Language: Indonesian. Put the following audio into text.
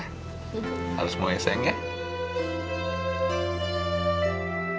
harus mau ya sayang ya